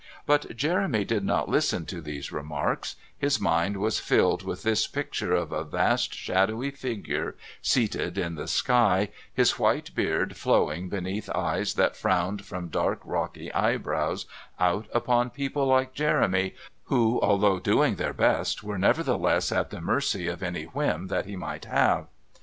But Jeremy did not listen to these remarks; his mind was filled with this picture of a vast shadowy figure, seated in the sky, his white beard flowing beneath eyes that frowned from dark rocky eyebrows out upon people like Jeremy who, although doing their best, were nevertheless at the mercy of any whim that He might have.